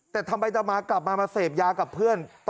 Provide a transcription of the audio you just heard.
แต่ทำไมจะมากลับมาเศษยากับเพื่อน